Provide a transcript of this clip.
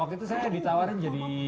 waktu itu saya ditawarin jadi